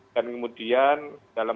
dan kemudian dalam